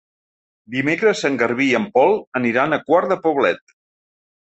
Dimecres en Garbí i en Pol aniran a Quart de Poblet.